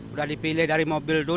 udah dipilih dari mobil dulu